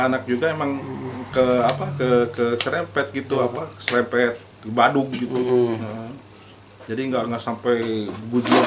anak juga emang ke apa ke ke serempet gitu apa serempet baduk gitu jadi enggak sampai bujuk